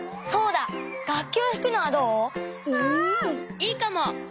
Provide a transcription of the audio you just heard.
いいかも！